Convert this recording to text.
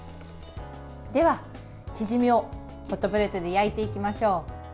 では、チヂミをホットプレートで焼いていきましょう。